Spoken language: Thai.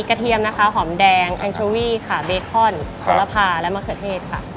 กระเทียมหอมแดงแอคโชวี่แบคอนและมะเขือเทศ